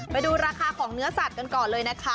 ไปดูราคาของเนื้อสัตว์กันก่อนเลยนะคะ